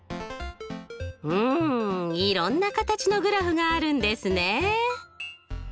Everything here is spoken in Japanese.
うんいろんな形のグラフがあるんですね。